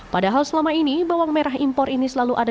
padahal selama ini bawang merah impor ini selalu ada